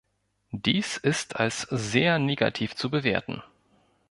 Dies ist als sehr negativ zu bewerten.